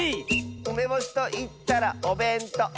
「うめぼしといったらおべんとう！」